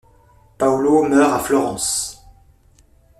Paolo meurt à Florence.